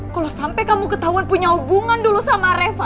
kalau sampai kamu ketahuan punya hubungan dulu sama reva